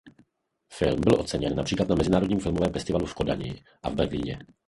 Film byl oceněn například na mezinárodním filmovém festivalu v Kodani a v Berlíně.